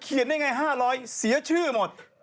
เขียนได้ไง๕๐๐เสียชื่อหมด